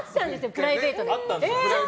プライベートで。